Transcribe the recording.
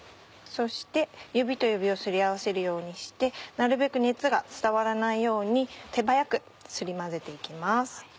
そして指と指を擦り合わせるようにしてなるべく熱が伝わらないように手早くすり混ぜて行きます。